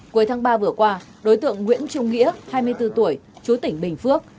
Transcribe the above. cuối tháng ba vừa qua đối tượng nguyễn trung nghĩa hai mươi bốn tuổi chú tỉnh bình phước